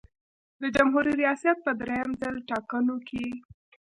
د جمهوري ریاست په دریم ځل ټاکنو کې.